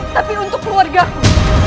tapi untuk keluargaku